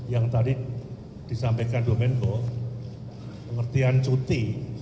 yang tadi disampaikan bu menko pengertian cuti